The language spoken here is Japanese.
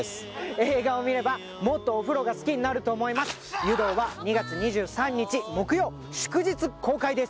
映画を見ればもっとお風呂が好きになると思います「湯道」は２月２３日木曜祝日公開です